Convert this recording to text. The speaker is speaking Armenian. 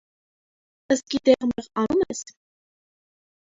Ըսկի դեղ-մեղ անում ե՞ս: